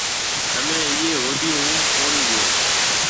همَي اِيئي هوديون هون پوڻِي ڏيو۔